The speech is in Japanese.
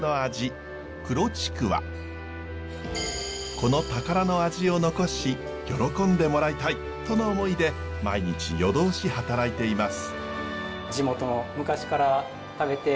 この宝の味を残し喜んでもらいたいとの思いで毎日夜通し働いています。